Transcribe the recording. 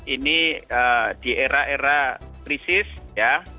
ini di era era krisis ya